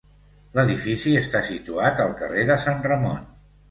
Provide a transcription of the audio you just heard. L'edifici està situat al carrer de Sant Ramon.